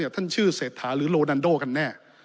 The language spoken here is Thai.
ท่านชื่อเศรษฐาหรือโรนันโดกันแน่